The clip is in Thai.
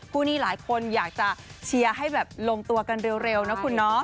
คู่นี้หลายคนอยากจะเชียร์ให้แบบลงตัวกันเร็วนะคุณเนาะ